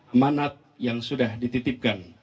amanat yang sudah dititipkan